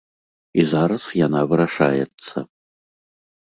І зараз яна вырашаецца.